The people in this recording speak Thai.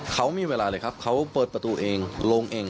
เขามีเวลาเลยครับเขาเปิดประตูเองลงเอง